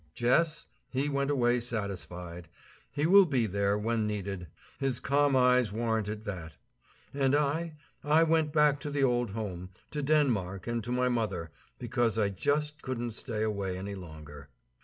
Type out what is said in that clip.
Jess? He went away satisfied. He will be there, when needed. His calm eyes warranted that. And I I went back to the old home, to Denmark and to my mother; because I just couldn't stay away any longer.